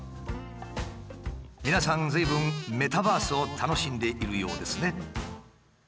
皆さん随分メタバースを楽しんでいるようですね。